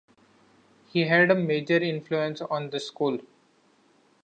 He had a major influence on the school.